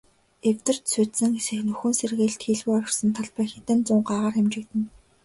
Эвдэрч сүйдсэн, нөхөн сэргээлт хийлгүй орхисон талбай хэдэн зуун гагаар хэмжигдэнэ.